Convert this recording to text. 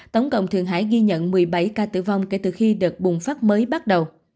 tổng cộng thượng hải ghi nhận một mươi bảy ca tử vong kể từ khi đợt bùng phát mới bắt đầu